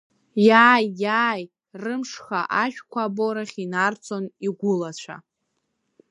Иааи, иааи, рымшха ажәқәа аборахь инарцон игәылацәа.